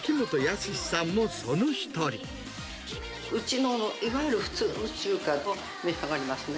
うちの、いわゆる普通の中華を召し上がりますね。